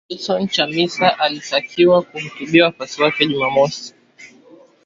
Nelson Chamisa, alitakiwa kuhutubia wafuasi wake Jumamosi.